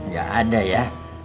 gak ada ya